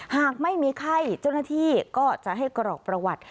หากไม่มีไข้เจ้าหน้าที่ก็จะให้กรอกประวัติ